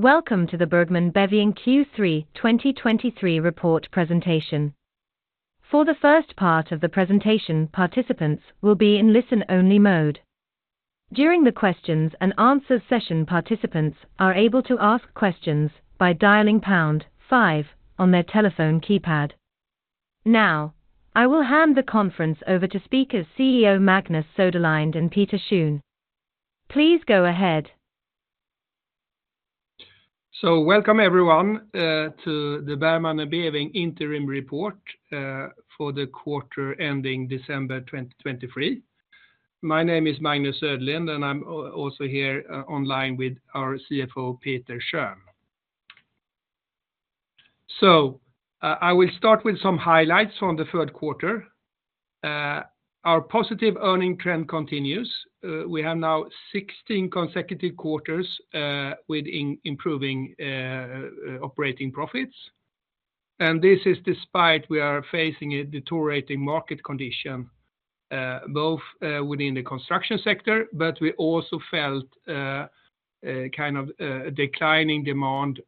Welcome to the Bergman & Beving Q3 2023 report presentation. For the first part of the presentation, participants will be in listen-only mode. During the questions and answers session, participants are able to ask questions by dialing pound five on their telephone keypad. Now, I will hand the conference over to speakers CEO Magnus Söderlind and Peter Schön. Please go ahead. So welcome everyone to the Bergman & Beving interim report for the quarter ending December 2023. My name is Magnus Söderlind, and I'm also here online with our CFO Peter Schön. So I will start with some highlights from the third quarter. Our positive earning trend continues. We have now 16 consecutive quarters with improving operating profits. And this is despite we are facing a deteriorating market condition, both within the construction sector, but we also felt kind of declining demand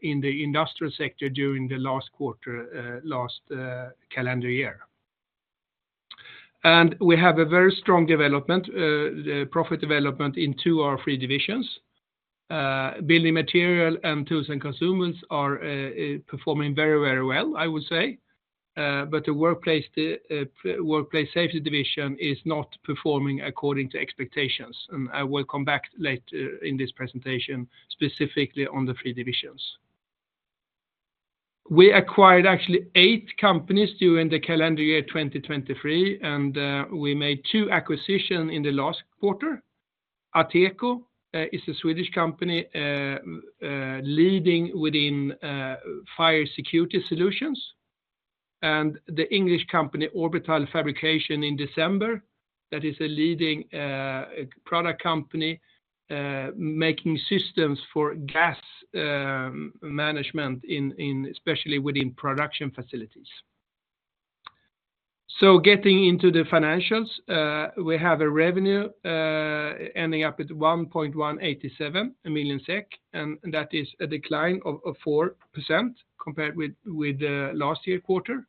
in the industrial sector during the last quarter, last calendar year. We have a very strong development, profit development in two of our three divisions. Building Materials and Tools and Consumables are performing very, very well, I would say. But the Workplace Safety division is not performing according to expectations, and I will come back later in this presentation specifically on the three divisions. We acquired actually eight companies during the calendar year 2023, and we made two acquisitions in the last quarter. Ateco is a Swedish company leading within fire security solutions. The English company Orbital Fabrications in December, that is a leading product company making systems for gas management, especially within production facilities. Getting into the financials, we have a revenue ending up at 1.187 million SEK, and that is a decline of 4% compared with last year's quarter.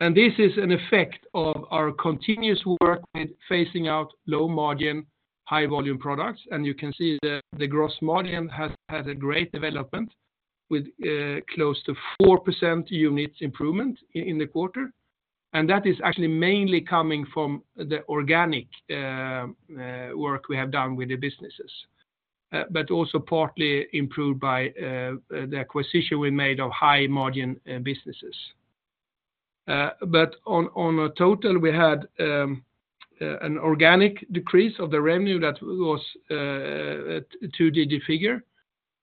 This is an effect of our continuous work with phasing out low-margin, high-volume products. You can see the gross margin has had a great development with close to 4% units improvement in the quarter. That is actually mainly coming from the organic work we have done with the businesses, but also partly improved by the acquisition we made of high-margin businesses. But in total, we had an organic decrease of the revenue that was a two-digit figure.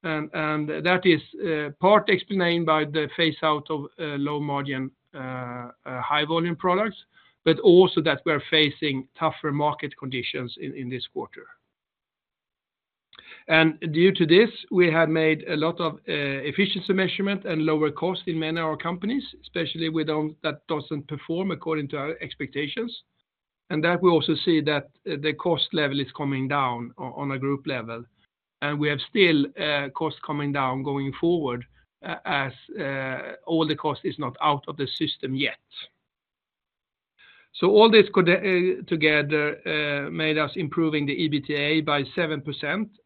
That is partly explained by the phase-out of low-margin, high-volume products, but also that we are facing tougher market conditions in this quarter. Due to this, we had made a lot of efficiency measures and lower costs in many of our companies, especially with those that doesn't perform according to our expectations. We also see that the cost level is coming down on a group level. We have still costs coming down going forward as all the cost is not out of the system yet. So all this together made us improving the EBITDA by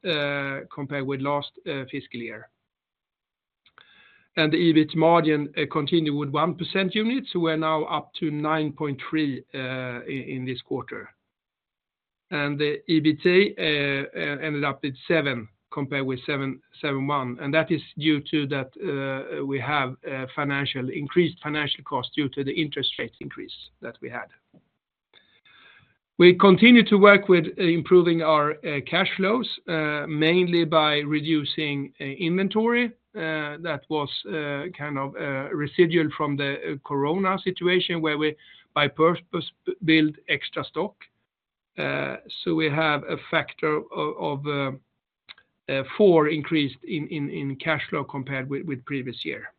7% compared with last fiscal year. The EBIT margin continued with 1% units, so we are now up to 9.3% in this quarter. The EBITDA ended up at 7% compared with 7.1%. And that is due to that we have increased financial costs due to the interest rate increase that we had. We continue to work with improving our cash flows, mainly by reducing inventory. That was kind of residual from the corona situation where we purposely built extra stock. So we have a 4% increase in cash flow compared with previous year.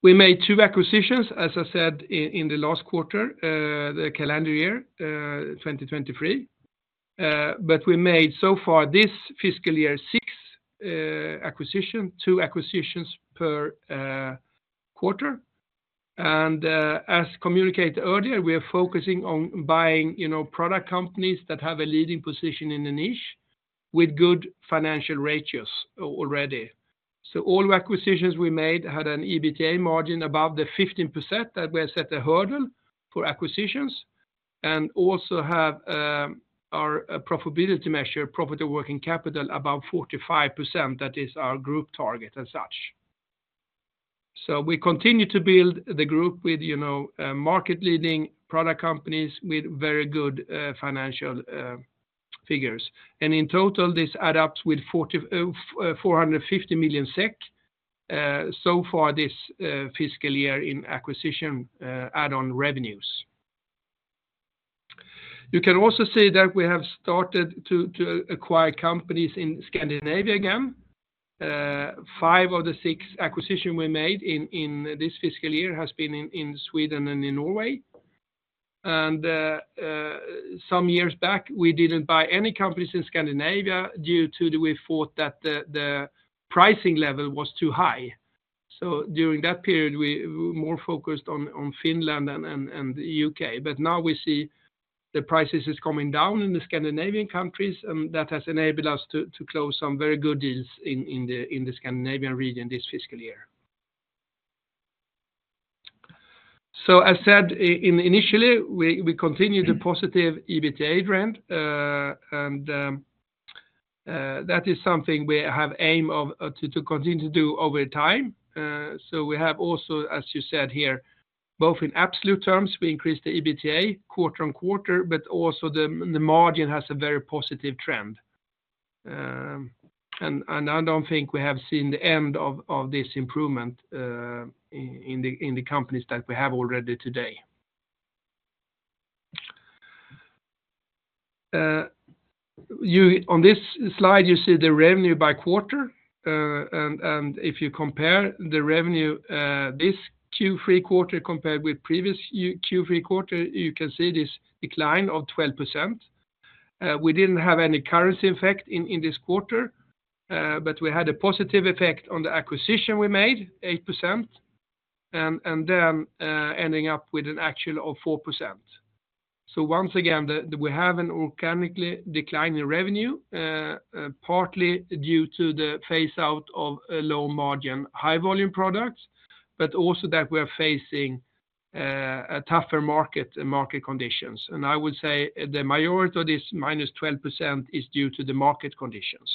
We made two acquisitions, as I said, in the last quarter, the calendar year 2023. But we made so far this fiscal year six acquisitions, two acquisitions per quarter. And as communicated earlier, we are focusing on buying product companies that have a leading position in a niche with good financial ratios already. So all acquisitions we made had an EBITDA margin above the 15% that we have set a hurdle for acquisitions and also have our profitability measure, Profit of Working Capital, above 45%. That is our group target as such. So we continue to build the group with market-leading product companies with very good financial figures. And in total, this adds up with 450 million SEK so far this fiscal year in acquisition add-on revenues. You can also see that we have started to acquire companies in Scandinavia again. Five of the six acquisitions we made in this fiscal year have been in Sweden and in Norway. Some years back, we didn't buy any companies in Scandinavia due to the we thought that the pricing level was too high. So during that period, we were more focused on Finland and the U.K. But now we see the prices are coming down in the Scandinavian countries, and that has enabled us to close some very good deals in the Scandinavian region this fiscal year. So as said initially, we continue the positive EBITDA trend. That is something we have aimed to continue to do over time. We have also, as you said here, both in absolute terms, we increased the EBITDA quarter on quarter, but also the margin has a very positive trend. I don't think we have seen the end of this improvement in the companies that we have already today. On this slide, you see the revenue by quarter. If you compare the revenue this Q3 quarter compared with previous Q3 quarter, you can see this decline of 12%. We didn't have any currency effect in this quarter, but we had a positive effect on the acquisition we made, 8%, and then ending up with an actual of 4%. So once again, we have an organically declining revenue, partly due to the phase-out of low-margin, high-volume products, but also that we are facing tougher market conditions. And I would say the majority of this -12% is due to the market conditions.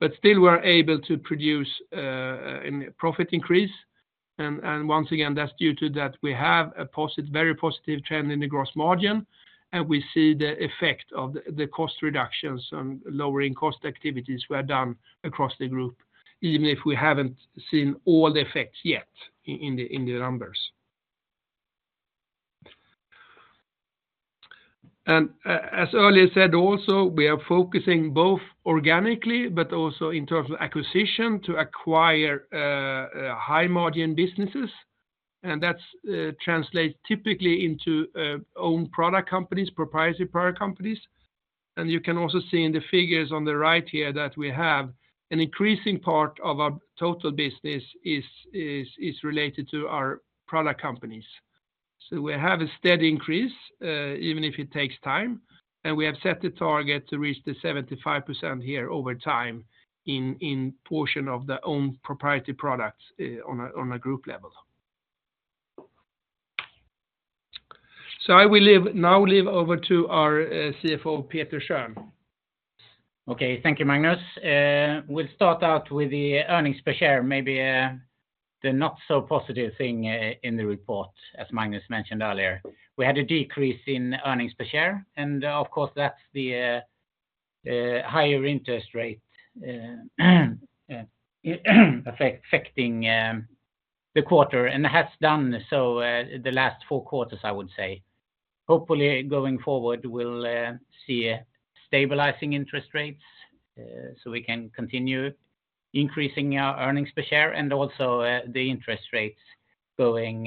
But still, we are able to produce a profit increase. And once again, that's due to that we have a very positive trend in the gross margin, and we see the effect of the cost reductions and lowering cost activities we have done across the group, even if we haven't seen all the effects yet in the numbers. And as earlier said also, we are focusing both organically but also in terms of acquisition to acquire high-margin businesses. And that translates typically into owned product companies, proprietary product companies. You can also see in the figures on the right here that we have an increasing part of our total business is related to our product companies. So we have a steady increase, even if it takes time. We have set the target to reach the 75% here over time in portion of the owned proprietary products on a group level. So I will now leave over to our CFO, Peter Schön. Okay, thank you, Magnus. We'll start out with the earnings per share, maybe the not-so-positive thing in the report, as Magnus mentioned earlier. We had a decrease in earnings per share, and of course, that's the higher interest rate affecting the quarter, and has done so the last four quarters, I would say. Hopefully, going forward, we'll see stabilizing interest rates so we can continue increasing our earnings per share and also the interest rates going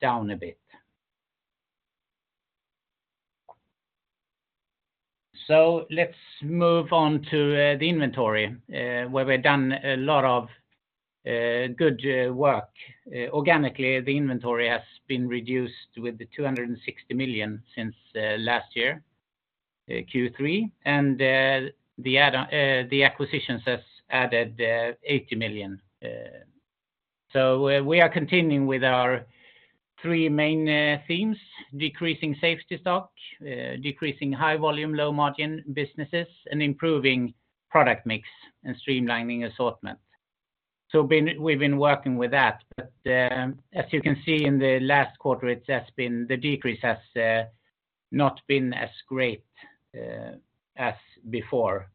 down a bit. So let's move on to the inventory where we've done a lot of good work. Organically, the inventory has been reduced with 260 million since last year, Q3, and the acquisitions have added 80 million. So we are continuing with our three main themes: decreasing safety stock, decreasing high-volume, low-margin businesses, and improving product mix and streamlining assortment. So we've been working with that. But as you can see in the last quarter, the decrease has not been as great as before,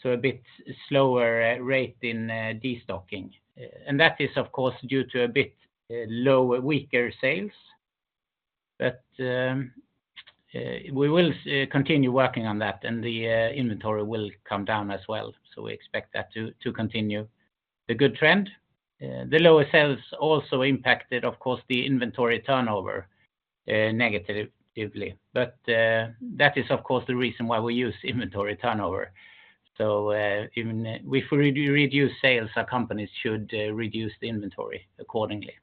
so a bit slower rate in destocking. And that is, of course, due to a bit lower, weaker sales. But we will continue working on that, and the inventory will come down as well. So we expect that to continue the good trend. The lower sales also impacted, of course, the inventory turnover negatively. But that is, of course, the reason why we use inventory turnover. So if we reduce sales, our companies should reduce the inventory accordingly.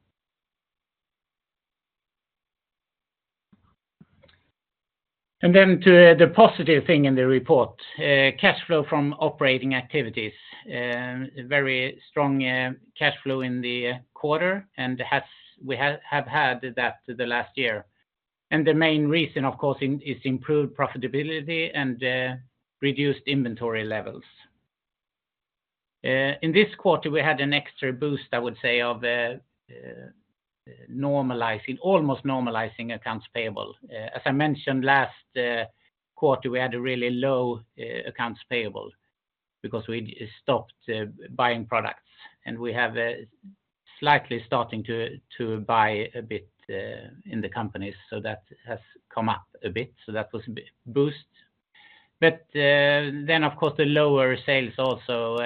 And then to the positive thing in the report, cash flow from operating activities, very strong cash flow in the quarter, and we have had that the last year. And the main reason, of course, is improved profitability and reduced inventory levels. In this quarter, we had an extra boost, I would say, of almost normalizing accounts payable. As I mentioned, last quarter, we had a really low accounts payable because we stopped buying products, and we have slightly started to buy a bit in the companies. So that has come up a bit. So that was a boost. But then, of course, the lower sales also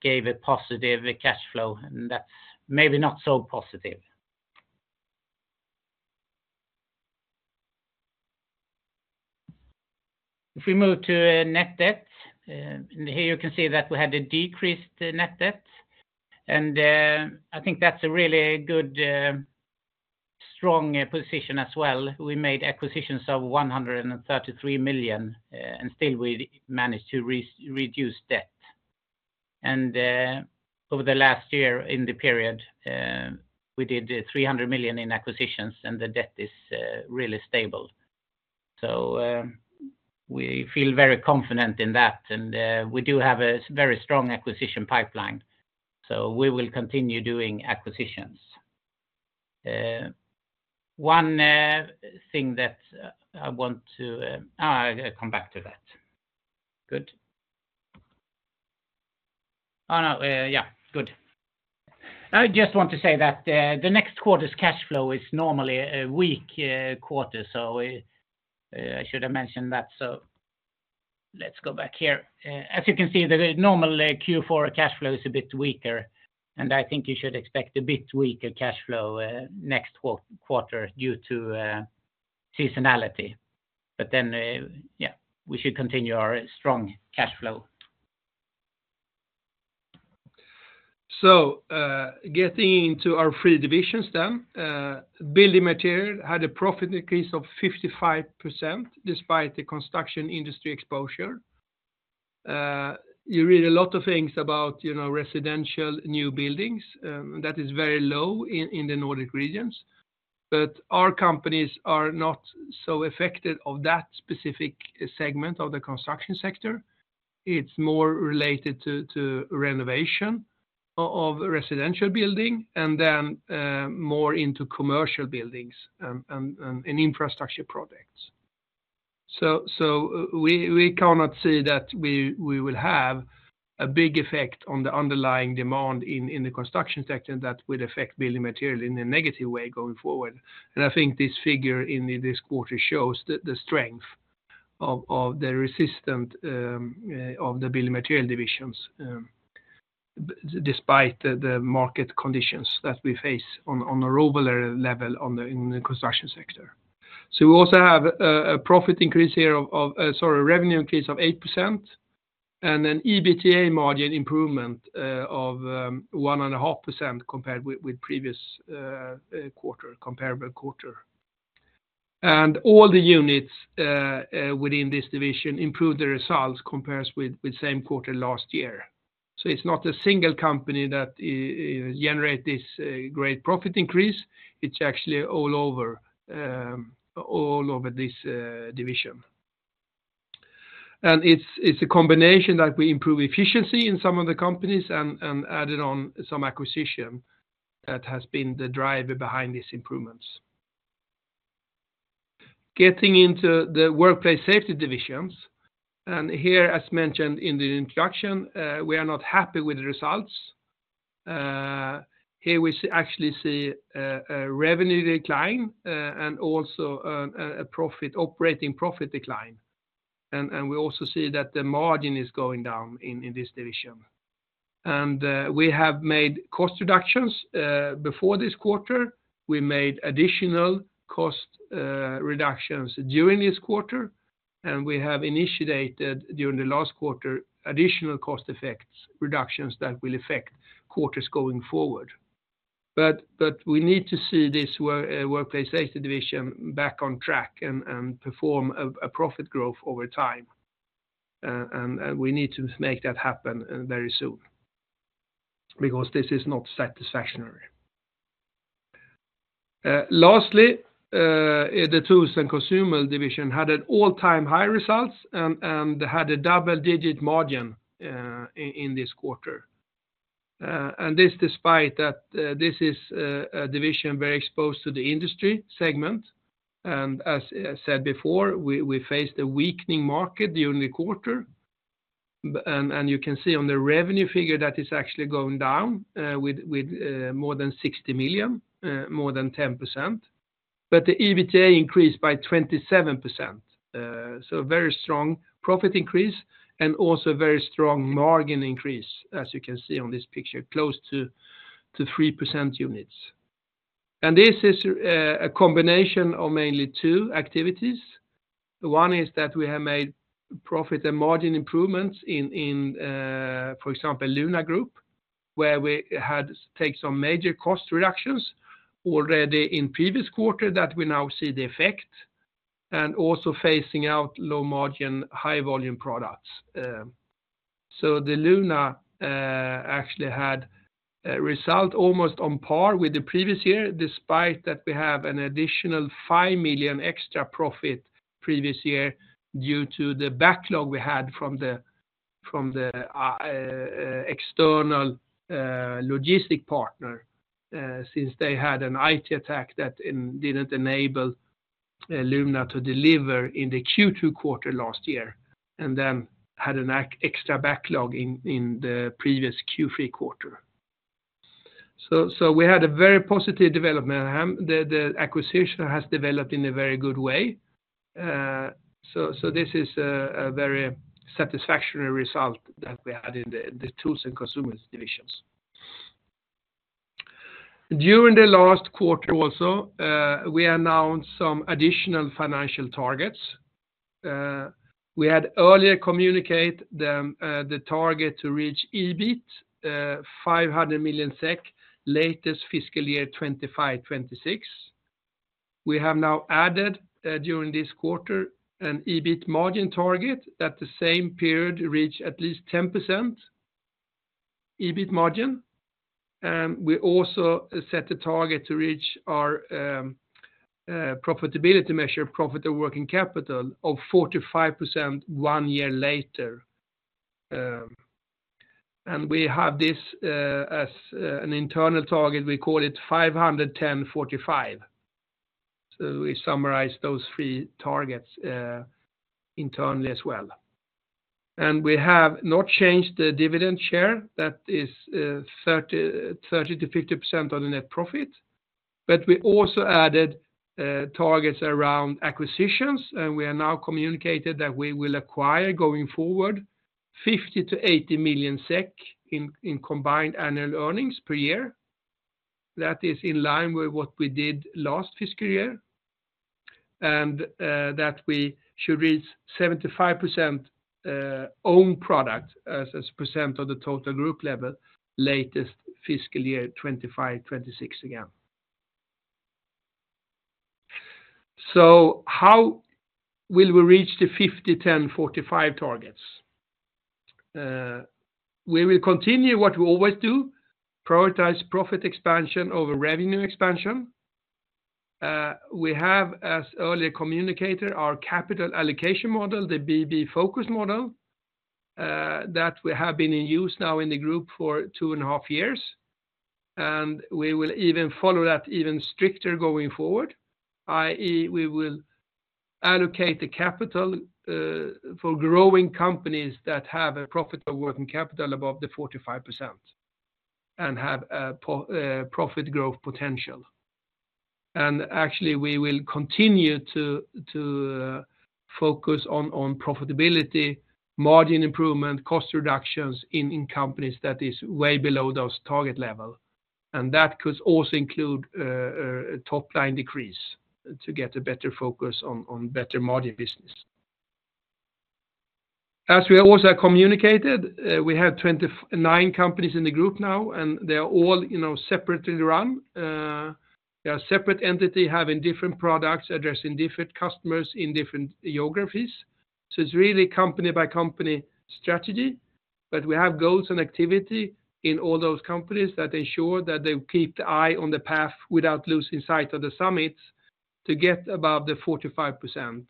gave a positive cash flow, and that's maybe not so positive. If we move to net debt, here you can see that we had a decreased net debt. I think that's a really good, strong position as well. We made acquisitions of 133 million, and still, we managed to reduce debt. Over the last year, in the period, we did 300 million in acquisitions, and the debt is really stable. So we feel very confident in that, and we do have a very strong acquisition pipeline. So we will continue doing acquisitions. One thing that I want to - oh, I'll come back to that. Good. Oh, no. Yeah, good. I just want to say that the next quarter's cash flow is normally a weak quarter, so I should have mentioned that. So let's go back here. As you can see, the normal Q4 cash flow is a bit weaker, and I think you should expect a bit weaker cash flow next quarter due to seasonality. But then, yeah, we should continue our strong cash flow. Getting into our three divisions then, Building Materials had a profit increase of 55% despite the construction industry exposure. You read a lot of things about residential new buildings, and that is very low in the Nordic regions. But our companies are not so affected of that specific segment of the construction sector. It's more related to renovation of residential building and then more into commercial buildings and infrastructure projects. We cannot see that we will have a big effect on the underlying demand in the construction sector that would affect Building Materials in a negative way going forward. And I think this figure in this quarter shows the strength of the resistance of the Building Materials Division despite the market conditions that we face on an overall level in the construction sector. So we also have a profit increase here of, sorry, revenue increase of 8% and an EBITDA margin improvement of 1.5% compared with previous quarter, comparable quarter. And all the units within this division improved their results compared with same quarter last year. So it's not a single company that generates this great profit increase. It's actually all over this division. And it's a combination that we improve efficiency in some of the companies and added on some acquisition that has been the driver behind these improvements. Getting into the Workplace Safety division. And here, as mentioned in the introduction, we are not happy with the results. Here we actually see a revenue decline and also an operating profit decline. And we also see that the margin is going down in this division. And we have made cost reductions before this quarter. We made additional cost reductions during this quarter, and we have initiated during the last quarter additional cost effects reductions that will affect quarters going forward. We need to see this Workplace Safety division back on track and perform a profit growth over time. We need to make that happen very soon because this is not satisfactory. Lastly, the Tools and Consumables division had an all-time high result and had a double-digit margin in this quarter. This despite that this is a division very exposed to the industry segment. As said before, we faced a weakening market during the quarter. You can see on the revenue figure that it's actually going down with more than 60 million, more than 10%. The EBITDA increased by 27%. So very strong profit increase and also very strong margin increase, as you can see on this picture, close to 3% units. This is a combination of mainly two activities. One is that we have made profit and margin improvements in, for example, Luna Group, where we had taken some major cost reductions already in previous quarter that we now see the effect and also phasing out low-margin, high-volume products. The Luna actually had a result almost on par with the previous year despite that we have an additional 5 million extra profit previous year due to the backlog we had from the external logistic partner since they had an IT attack that didn't enable Luna to deliver in the Q2 quarter last year and then had an extra backlog in the previous Q3 quarter. We had a very positive development. The acquisition has developed in a very good way. So this is a very satisfactory result that we had in the Tools and Consumables divisions. During the last quarter also, we announced some additional financial targets. We had earlier communicated the target to reach EBIT of 500 million SEK, latest fiscal year 2025/26. We have now added during this quarter an EBIT margin target that the same period reached at least 10% EBIT margin. And we also set a target to reach our profitability measure, Profit of Working Capital, of 45% one year later. And we have this as an internal target. We call it 500/10/45. So we summarize those three targets internally as well. And we have not changed the dividend share. That is 30%-50% of the net profit. But we also added targets around acquisitions, and we have now communicated that we will acquire going forward 50 million-80 million SEK in combined annual earnings per year. That is in line with what we did last fiscal year and that we should reach 75% owned product as a percent of the total group level latest fiscal year 2025/2026 again. So how will we reach the 50/10/45 targets? We will continue what we always do, prioritize profit expansion over revenue expansion. We have, as earlier communicated, our capital allocation model, the B&B Focus Model that we have been in use now in the group for 2.5 years. And we will even follow that even stricter going forward, i.e., we will allocate the capital for growing companies that have a Profit of Working Capital above 45% and have a profit growth potential. Actually, we will continue to focus on profitability, margin improvement, cost reductions in companies that are way below those target level. That could also include a top-line decrease to get a better focus on better margin business. As we also have communicated, we have 29 companies in the group now, and they are all separately run. They are a separate entity having different products addressing different customers in different geographies. It's really company-by-company strategy. We have goals and activity in all those companies that ensure that they keep the eye on the path without losing sight of the summits to get above the 45%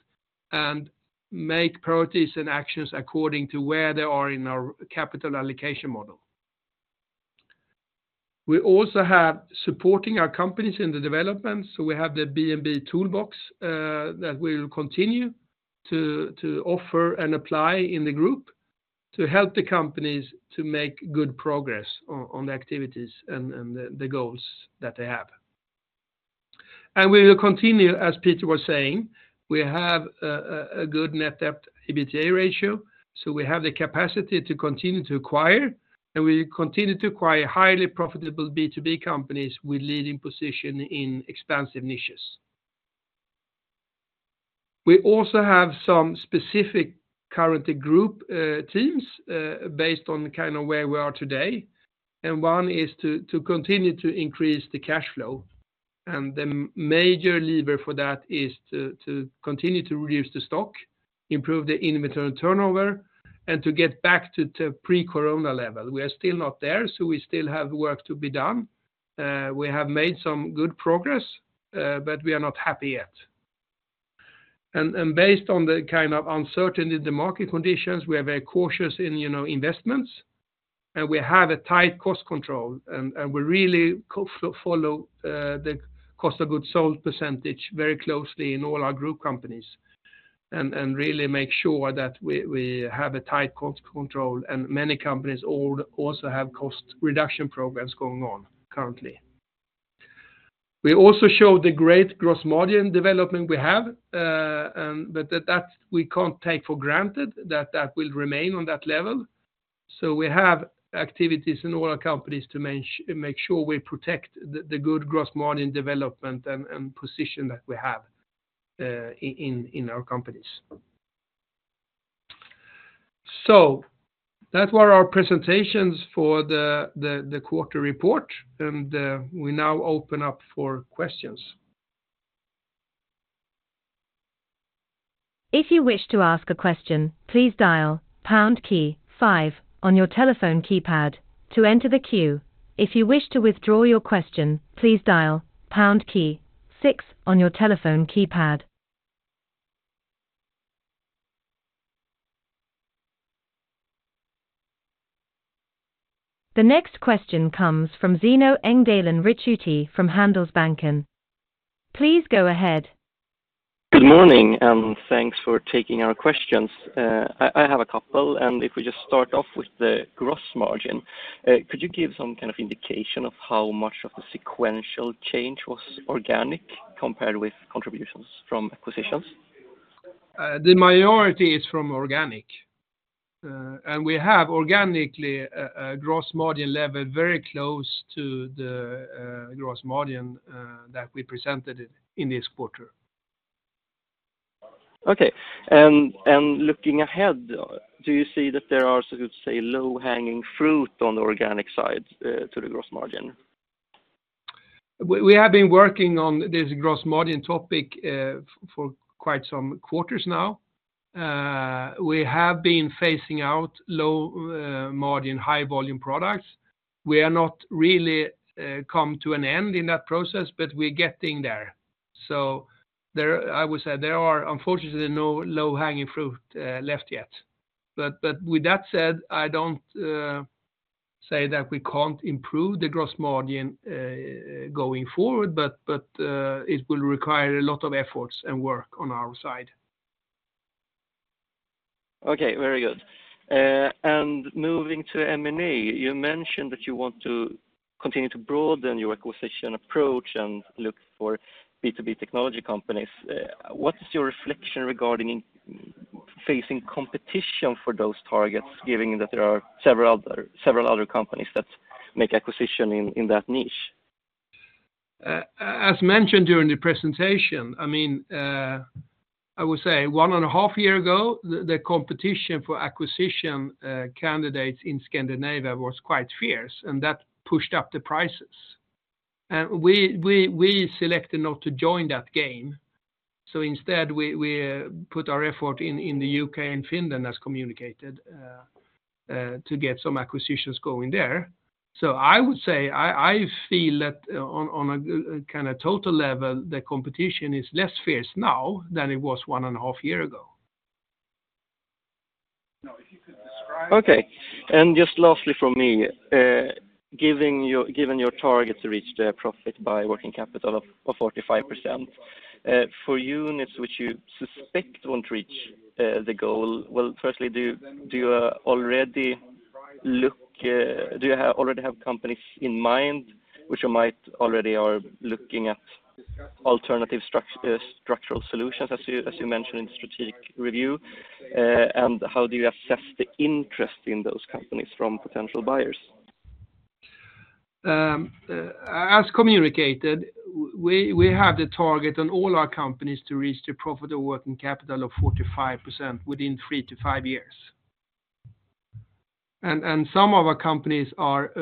and make priorities and actions according to where they are in our capital allocation model. We also have supporting our companies in the development. So we have the B&B Toolbox that we will continue to offer and apply in the group to help the companies to make good progress on the activities and the goals that they have. We will continue, as Peter was saying, we have a good net debt/EBITDA ratio. We have the capacity to continue to acquire, and we continue to acquire highly profitable B2B companies with leading position in expansive niches. We also have some specific current group teams based on kind of where we are today. One is to continue to increase the cash flow. The major lever for that is to continue to reduce the stock, improve the inventory turnover, and to get back to pre-Corona level. We are still not there, so we still have work to be done. We have made some good progress, but we are not happy yet. Based on the kind of uncertainty in the market conditions, we are very cautious in investments. We have a tight cost control. We really follow the cost of goods sold percentage very closely in all our group companies and really make sure that we have a tight cost control. Many companies also have cost reduction programs going on currently. We also show the great gross margin development we have, but that we can't take for granted that that will remain on that level. We have activities in all our companies to make sure we protect the good gross margin development and position that we have in our companies. That were our presentations for the quarter report. We now open up for questions. If you wish to ask a question, please dial pound key five on your telephone keypad to enter the queue. If you wish to withdraw your question, please dial pound key six on your telephone keypad. The next question comes from Zino Engdalen Ricciuti from Handelsbanken. Please go ahead. Good morning, and thanks for taking our questions. I have a couple. If we just start off with the gross margin, could you give some kind of indication of how much of the sequential change was organic compared with contributions from acquisitions? The majority is from organic. We have organically a gross margin level very close to the gross margin that we presented in this quarter. Okay. And looking ahead, do you see that there are, so to say, low-hanging fruit on the organic side to the gross margin? We have been working on this gross margin topic for quite some quarters now. We have been phasing out low-margin, high-volume products. We have not really come to an end in that process, but we're getting there. So I would say there are, unfortunately, no low-hanging fruit left yet. But with that said, I don't say that we can't improve the gross margin going forward, but it will require a lot of efforts and work on our side. Okay. Very good. Moving to M&A, you mentioned that you want to continue to broaden your acquisition approach and look for B2B technology companies. What is your reflection regarding facing competition for those targets, given that there are several other companies that make acquisition in that niche? As mentioned during the presentation, I mean, I would say one and a half years ago, the competition for acquisition candidates in Scandinavia was quite fierce, and that pushed up the prices. We selected not to join that game. Instead, we put our effort in the U.K. and Finland, as communicated, to get some acquisitions going there. I would say I feel that on a kind of total level, the competition is less fierce now than it was one and a half years ago. Okay. Just lastly from me, given your target to reach the Profit of Working Capital of 45%, for units which you suspect won't reach the goal, well, firstly, do you already have companies in mind which you might already are looking at alternative structural solutions, as you mentioned in the strategic review? And how do you assess the interest in those companies from potential buyers? As communicated, we have the target on all our companies to reach the Profit of Working Capital of 45% within three to five years. And some of our companies kind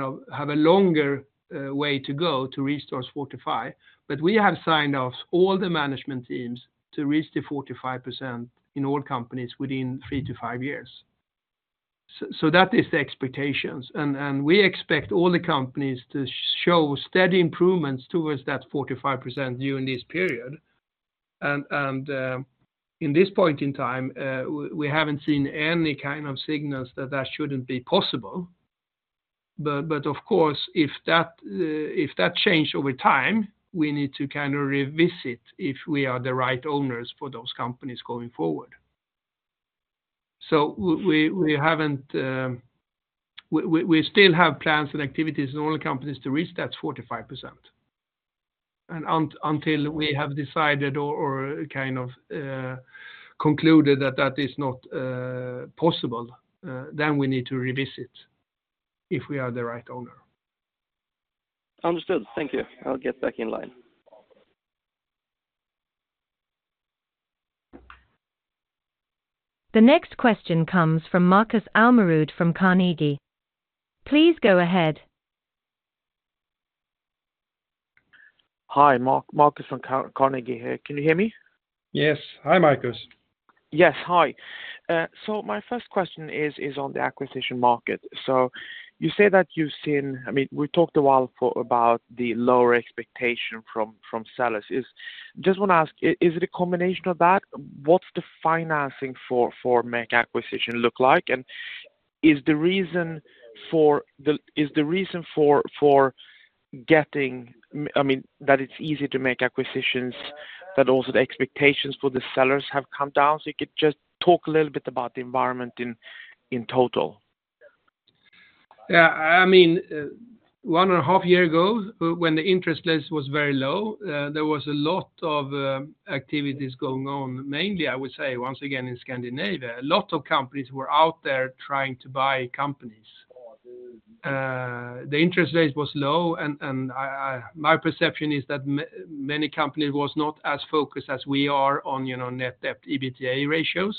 of have a longer way to go to reach those 45%. But we have signed off all the management teams to reach the 45% in all companies within three to five years. So that is the expectations. And we expect all the companies to show steady improvements towards that 45% during this period. And in this point in time, we haven't seen any kind of signals that that shouldn't be possible. But of course, if that changes over time, we need to kind of revisit if we are the right owners for those companies going forward. So we still have plans and activities in all the companies to reach that 45%. Until we have decided or kind of concluded that that is not possible, then we need to revisit if we are the right owner. Understood. Thank you. I'll get back in line. The next question comes from Markus Almerud from Carnegie. Please go ahead. Hi. Marcus from Carnegie here. Can you hear me? Yes. Hi, Marcus. Yes. Hi. So my first question is on the acquisition market. So you say that you've seen, I mean, we talked a while about the lower expectation from sellers. I just want to ask, is it a combination of that? What's the financing for make acquisition look like? And is the reason for getting, I mean, that it's easy to make acquisitions, that also the expectations for the sellers have come down? So you could just talk a little bit about the environment in total. Yeah. I mean, one and a half years ago, when the interest rate was very low, there was a lot of activities going on, mainly, I would say, once again, in Scandinavia. A lot of companies were out there trying to buy companies. The interest rate was low. And my perception is that many companies were not as focused as we are on net debt/EBITDA ratios.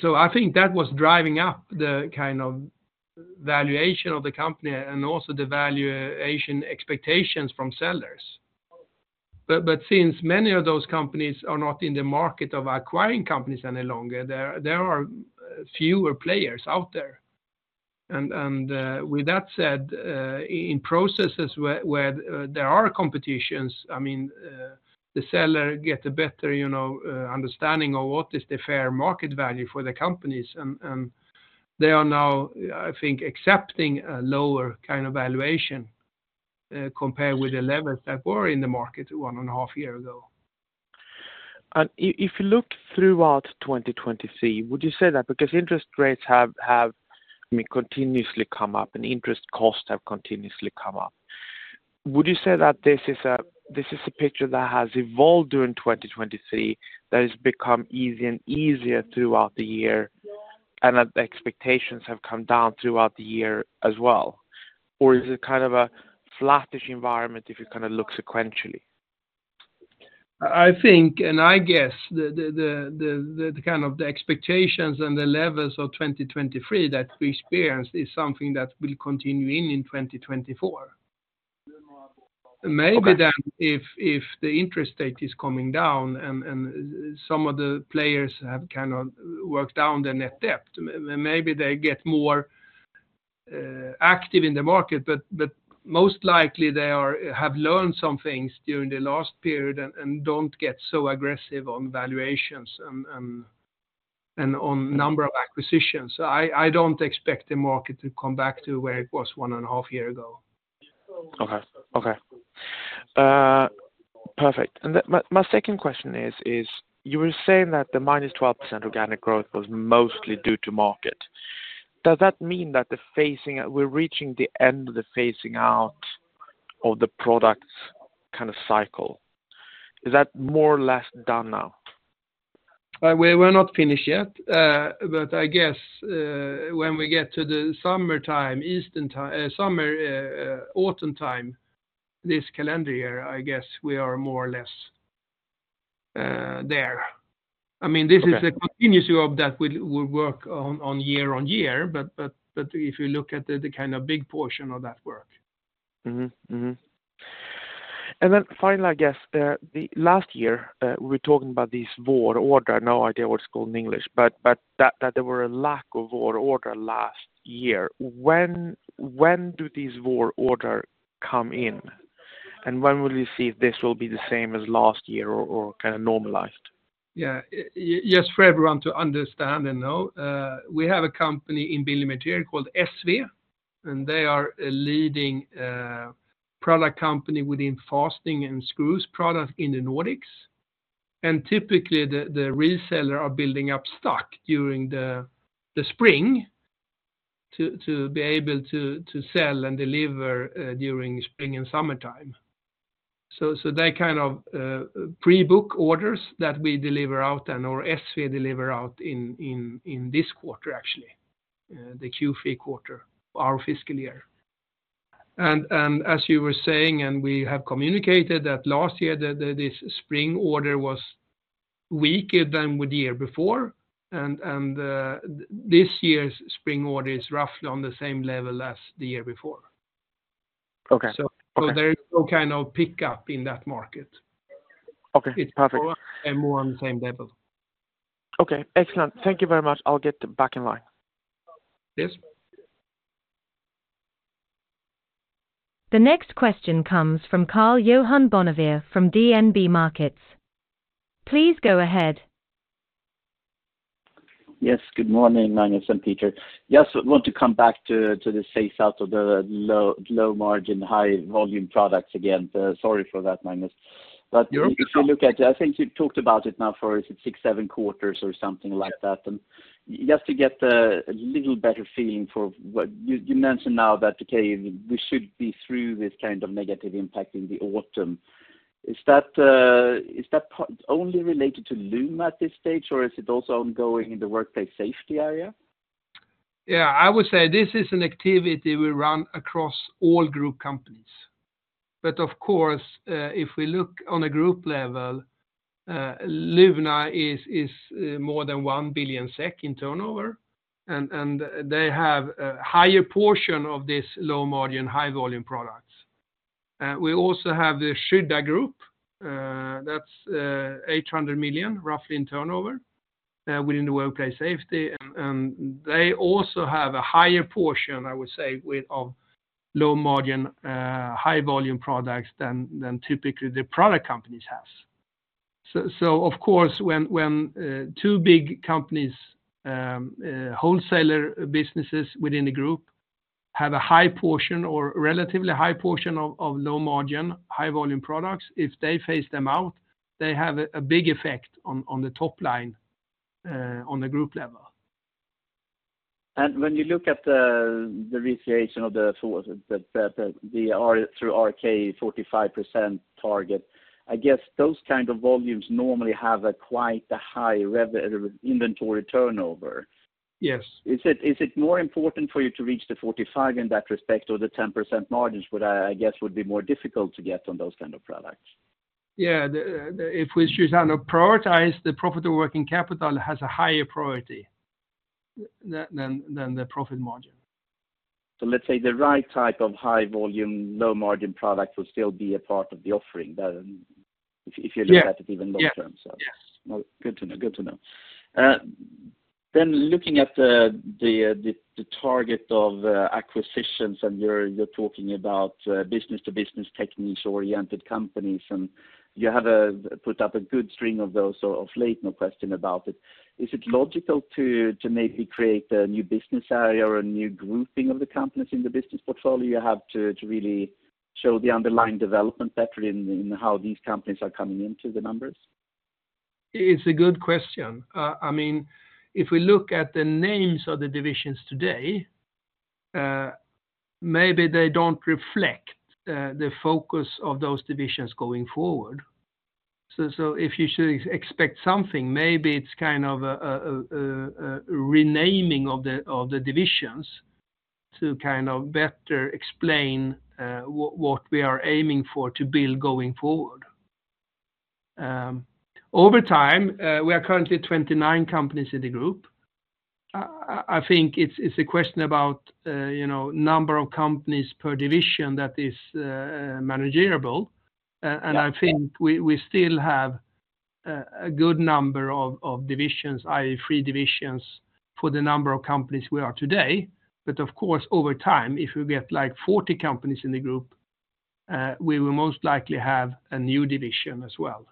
So I think that was driving up the kind of valuation of the company and also the valuation expectations from sellers. But since many of those companies are not in the market of acquiring companies any longer, there are fewer players out there. And with that said, in processes where there are competitions, I mean, the seller gets a better understanding of what is the fair market value for the companies. They are now, I think, accepting a lower kind of valuation compared with the levels that were in the market one and a half years ago. If you look throughout 2023, would you say that because interest rates have, I mean, continuously come up and interest costs have continuously come up, would you say that this is a picture that has evolved during 2023 that has become easier and easier throughout the year and that expectations have come down throughout the year as well? Or is it kind of a flattish environment if you kind of look sequentially? I think and I guess the kind of the expectations and the levels of 2023 that we experienced is something that will continue in 2024. Maybe then if the interest rate is coming down and some of the players have kind of worked down their net debt, maybe they get more active in the market. But most likely, they have learned some things during the last period and don't get so aggressive on valuations and on number of acquisitions. So I don't expect the market to come back to where it was one and a half years ago. Okay. Okay. Perfect. And my second question is, you were saying that the -12% organic growth was mostly due to market. Does that mean that we're reaching the end of the phasing out of the product kind of cycle? Is that more or less done now? We're not finished yet. But I guess when we get to the summertime, autumn time this calendar year, I guess we are more or less there. I mean, this is a continuous job that will work on year on year. But if you look at the kind of big portion of that work. And then finally, I guess, last year, we were talking about this Spring order. No idea what it's called in English. But there was a lack of Spring order last year. When do these Spring orders come in? And when will you see if this will be the same as last year or kind of normalized? Yeah. Just for everyone to understand and know, we have a company in Building Materials called ESSVE. And they are a leading product company within fastening and screws products in the Nordics. And typically, the resellers are building up stock during the spring to be able to sell and deliver during spring and summertime. So they kind of pre-book orders that we deliver out then or ESSVE deliver out in this quarter, actually, the Q3 quarter, our fiscal year. And as you were saying, and we have communicated that last year, this spring order was weaker than the year before. And this year's spring order is roughly on the same level as the year before. So there is no kind of pickup in that market. Okay. It's perfect. More on the same level. Okay. Excellent. Thank you very much. I'll get back in line. Yes. The next question comes from Karl-Johan Bonnevier from DNB Markets. Please go ahead. Yes. Good morning, Magnus and Peter. Yes, I want to come back to the sales of the low-margin, high-volume products again. Sorry for that, Magnus. But if you look at, I think you talked about it now for, is it six, seven quarters or something like that? And just to get a little better feeling for, you mentioned now that, okay, we should be through this kind of negative impact in the autumn. Is that only related to Luna at this stage, or is it also ongoing in the workplace safety area? Yeah. I would say this is an activity we run across all group companies. But of course, if we look on a group level, Luna Group is more than 1 billion SEK in turnover. And they have a higher portion of these low-margin, high-volume products. We also have the Skydda Group. That's roughly 800 million in turnover within the workplace safety. And they also have a higher portion, I would say, of low-margin, high-volume products than typically the product companies have. So of course, when two big companies, wholesaler businesses within the group, have a high portion or relatively high portion of low-margin, high-volume products, if they phase them out, they have a big effect on the top line on the group level. When you look at the recalculation of the EBITA/WC 45% target, I guess those kind of volumes normally have quite a high inventory turnover. Yes. Is it more important for you to reach the 45% in that respect, or the 10% margins, which I guess would be more difficult to get on those kind of products? Yeah. If we choose how to prioritize, the Profit of Working Capital has a higher priority than the profit margin. So, let's say the right type of high-volume, low-margin product will still be a part of the offering if you look at it even long-term, so. Yes. Yes. Good to know. Good to know. Looking at the target of acquisitions, and you're talking about business-to-business, technology-oriented companies. You have put up a good string of those of late, no question about it. Is it logical to maybe create a new business area or a new grouping of the companies in the business portfolio? You have to really show the underlying development better in how these companies are coming into the numbers. It's a good question. I mean, if we look at the names of the divisions today, maybe they don't reflect the focus of those divisions going forward. So if you should expect something, maybe it's kind of a renaming of the divisions to kind of better explain what we are aiming for to build going forward. Over time, we are currently 29 companies in the group. I think it's a question about number of companies per division that is manageable. And I think we still have a good number of divisions, i.e., three divisions, for the number of companies we are today. But of course, over time, if we get like 40 companies in the group, we will most likely have a new division as well.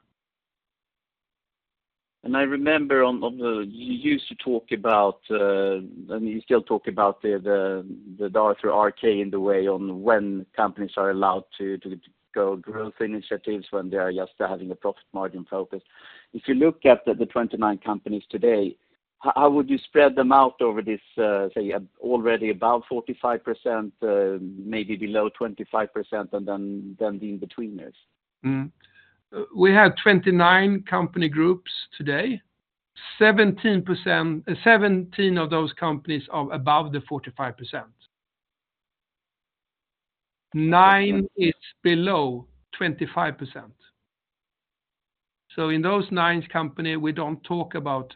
I remember you used to talk about and you still talk about the traffic lights are key in the way on when companies are allowed to go growth initiatives when they are just having a profit margin focus. If you look at the 29 companies today, how would you spread them out over this, say, already above 45%, maybe below 25%, and then the in-betweeners? We have 29 company groups today. 17 of those companies are above the 45%. Nine is below 25%. So in those nine companies, we don't talk about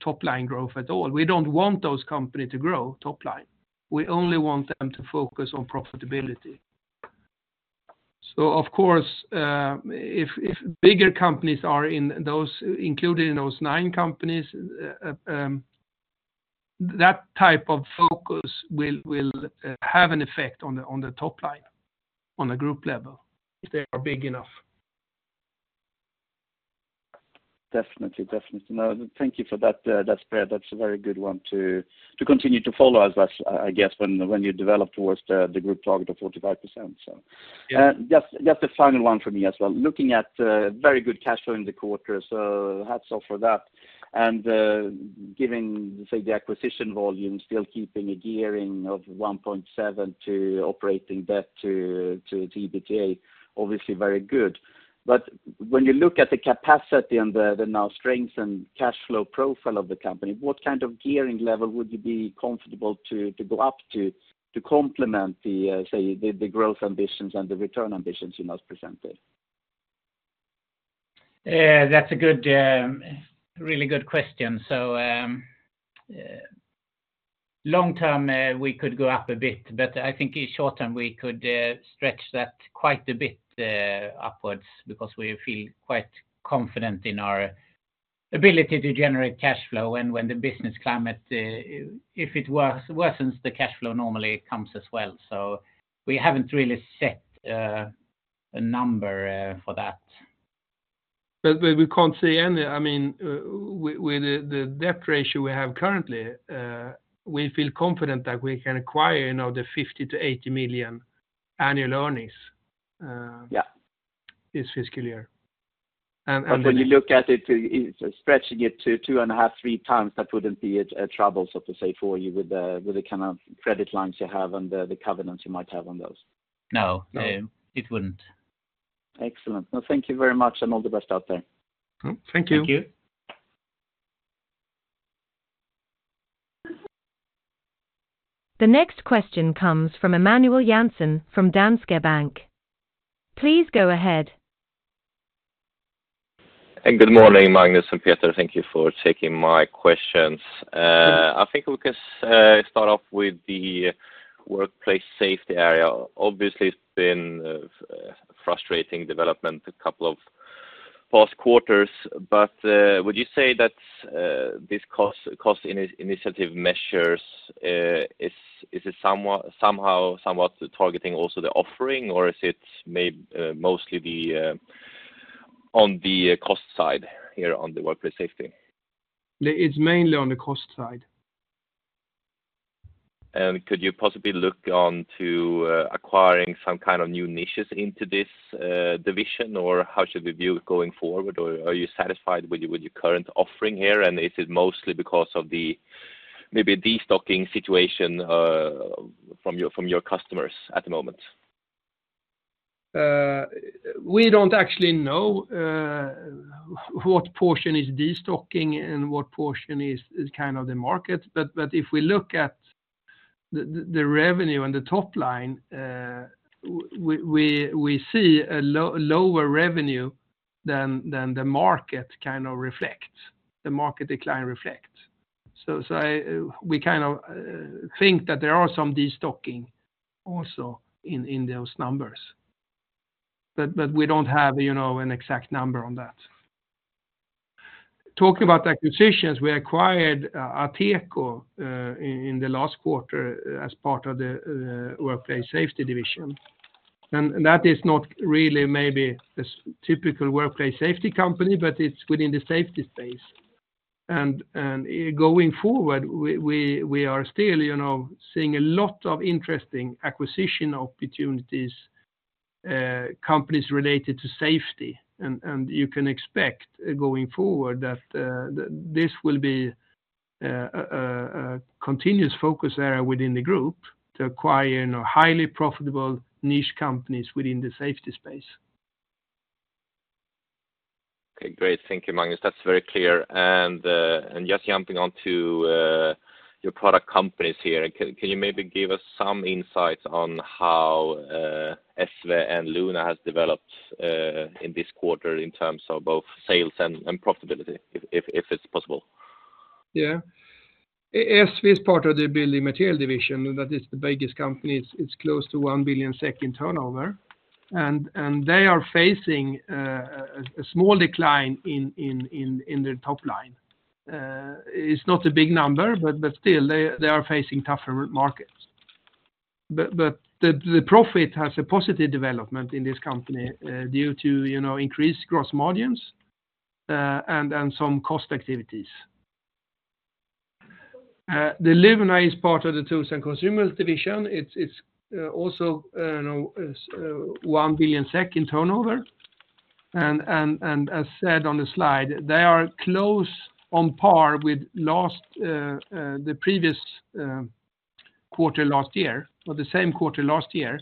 top-line growth at all. We don't want those companies to grow top-line. We only want them to focus on profitability. So of course, if bigger companies are included in those nine companies, that type of focus will have an effect on the top line, on the group level, if they are big enough. Definitely. Definitely. No, thank you for that. That's fair. That's a very good one to continue to follow as well, I guess, when you develop towards the group target of 45%, so. Just a final one for me as well. Looking at very good cash flow in the quarter, so hats off for that. And giving, say, the acquisition volume, still keeping a gearing of 1.7 to operating debt to EBITDA, obviously very good. But when you look at the capacity and the now strengths and cash flow profile of the company, what kind of gearing level would you be comfortable to go up to to complement, say, the growth ambitions and the return ambitions you must present there? That's a really good question. So long-term, we could go up a bit. But I think short-term, we could stretch that quite a bit upwards because we feel quite confident in our ability to generate cash flow. And when the business climate, if it worsens, the cash flow normally comes as well. So we haven't really set a number for that. But we can't say anything. I mean, with the debt ratio we have currently, we feel confident that we can acquire the 50 million-80 million annual earnings this fiscal year. But when you look at it, stretching it to 2.5x-3x, that wouldn't be a trouble, so to say, for you with the kind of credit lines you have and the covenants you might have on those? No. It wouldn't. Excellent. No, thank you very much, and all the best out there. Thank you. Thank you. The next question comes from Emanuel Jansson from Danske Bank. Please go ahead. Good morning, Magnus and Peter. Thank you for taking my questions. I think we can start off with the workplace safety area. Obviously, it's been a frustrating development a couple of past quarters. But would you say that these cost initiative measures, is it somehow somewhat targeting also the offering, or is it mostly on the cost side here on the workplace safety? It's mainly on the cost side. Could you possibly look onto acquiring some kind of new niches into this division, or how should we view it going forward? Are you satisfied with your current offering here? Is it mostly because of maybe a destocking situation from your customers at the moment? We don't actually know what portion is destocking and what portion is kind of the market. But if we look at the revenue and the top line, we see a lower revenue than the market kind of reflects, the market decline reflects. So we kind of think that there are some destocking also in those numbers. But we don't have an exact number on that. Talking about acquisitions, we acquired Ateco in the last quarter as part of the Workplace Safety division. And that is not really maybe the typical workplace safety company, but it's within the safety space. And going forward, we are still seeing a lot of interesting acquisition opportunities, companies related to safety. And you can expect going forward that this will be a continuous focus area within the group to acquire highly profitable niche companies within the safety space. Okay. Great. Thank you, Magnus. That's very clear. And just jumping onto your product companies here, can you maybe give us some insights on how ESSVE and Luna have developed in this quarter in terms of both sales and profitability, if it's possible? Yeah. ESSVE is part of the Building Materials division. That is the biggest company. It's close to 1 billion in turnover. And they are facing a small decline in their top line. It's not a big number, but still, they are facing tougher markets. But the profit has a positive development in this company due to increased gross margins and some cost activities. The Luna is part of the Tools and Consumables division. It's also 1 billion SEK in turnover. And as said on the slide, they are close on par with the previous quarter last year or the same quarter last year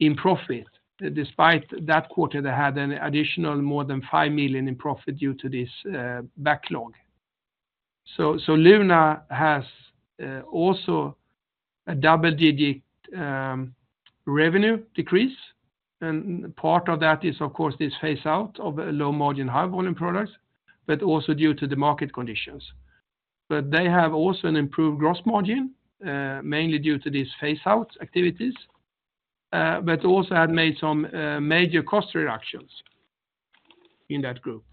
in profit, despite that quarter, they had an additional more than 5 million in profit due to this backlog. So Luna has also a double-digit revenue decrease. Part of that is, of course, this phase-out of low-margin, high-volume products, but also due to the market conditions. They have also an improved gross margin, mainly due to these phase-out activities, but also have made some major cost reductions in that group.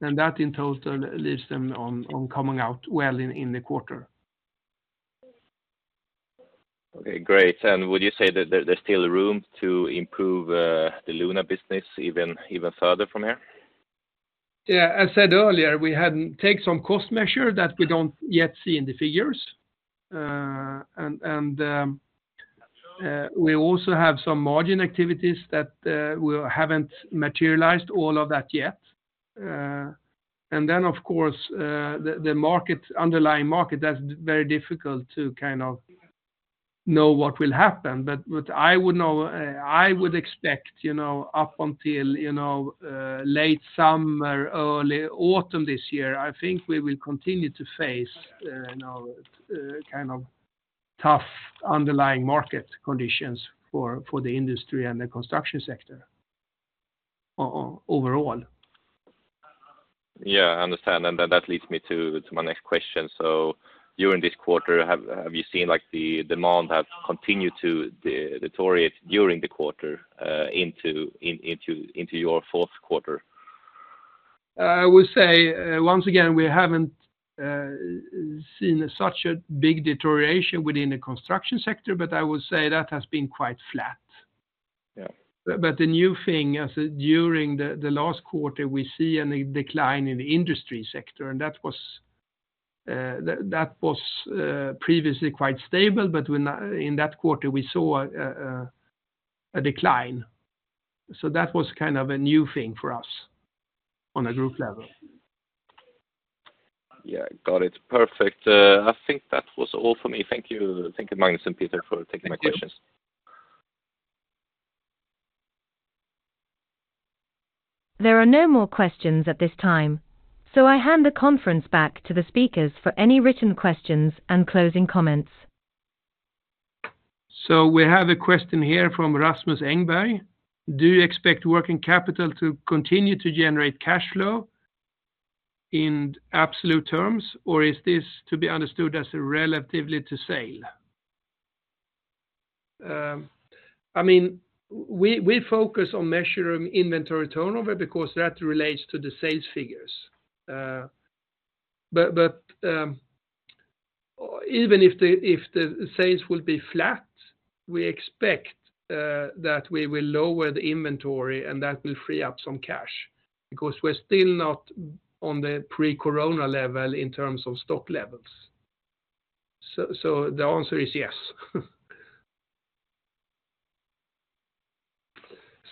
That, in total, leaves them on coming out well in the quarter. Okay. Great. And would you say that there's still room to improve the Luna business even further from here? Yeah. As said earlier, we had taken some cost measures that we don't yet see in the figures. And we also have some margin activities that we haven't materialized all of that yet. And then, of course, the underlying market, that's very difficult to kind of know what will happen. But I would expect up until late summer, early autumn this year, I think we will continue to face kind of tough underlying market conditions for the industry and the construction sector overall. Yeah. I understand. That leads me to my next question. During this quarter, have you seen the demand have continued to deteriorate during the quarter into your fourth quarter? I would say, once again, we haven't seen such a big deterioration within the construction sector. But I would say that has been quite flat. But the new thing is that during the last quarter, we see a decline in the industry sector. And that was previously quite stable. But in that quarter, we saw a decline. So that was kind of a new thing for us on a group level. Yeah. Got it. Perfect. I think that was all for me. Thank you, Magnus and Peter, for taking my questions. There are no more questions at this time, so I hand the conference back to the speakers for any written questions and closing comments. So we have a question here from Rasmus Engberg. Do you expect working capital to continue to generate cash flow in absolute terms, or is this to be understood as relatively to sale? I mean, we focus on measuring inventory turnover because that relates to the sales figures. But even if the sales will be flat, we expect that we will lower the inventory, and that will free up some cash because we're still not on the pre-Corona level in terms of stock levels. So the answer is yes.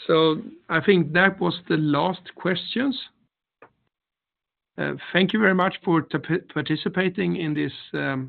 So I think that was the last questions. Thank you very much for participating in this call.